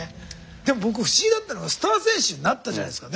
でも僕不思議だったのはスター選手になったじゃないですか。